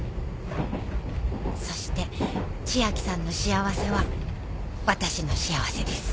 そして千明さんの幸せは私の幸せです。